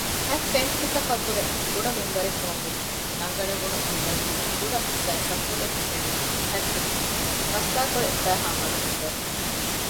ހަތް ފެންތިއްކަކަށްވުރެ ކުޑަ މިންވަރެއްކަމަށް މިނަންގަނެވުނު މިންވަރަކީ ކުޑަ ސައިސަމްސަލެއްގެ ފެނުގެ ހަތްދިހަ ފަސްބައިކުޅަ އެއްބައިހާ މަދު މިންވަރެއް